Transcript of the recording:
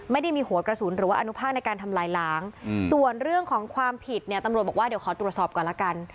ไม่ได้มีหัวกระสุนหรือว่าอนุภาคในการทำลายล้างส่วนเรื่องของความผิดเนี่ยตำรวจบอกว่าเดี๋ยวขอตรวจสอบก่อนละกัน